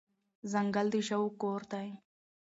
ځنګل د ژوو کور دی.